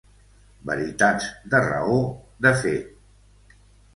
Veritats de raó, de fet.